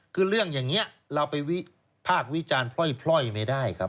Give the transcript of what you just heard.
คือเรื่องอย่างนี้เราไปวิพากษ์วิจารณ์พล่อยไม่ได้ครับ